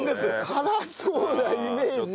辛そうなイメージが。